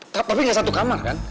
tapi nggak satu kamar kan